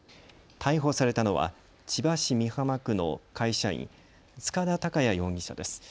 逮捕されたのは千葉市美浜区の会社員、塚田考野容疑者です。